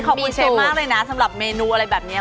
ขอบคุณเชฟมากเลยนะสำหรับเมนูอะไรแบบนี้